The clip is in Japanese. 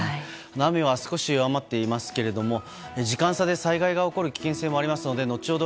雨は少し弱まっていますけれども時間差で災害が起こる危険性もありますので後ほど